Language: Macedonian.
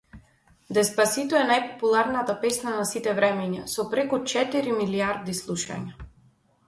Деспасито е најпопуларната песна на сите времиња, со преку четири милијарди слушања.